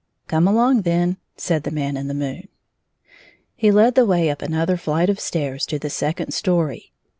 " Come along, then," said the Man in the moon. He led the way up another flight of stairs to the second story.